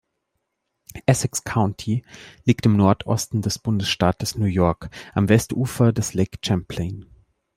Essex County liegt im Nordosten des Bundesstaates New York, am Westufer des Lake Champlain.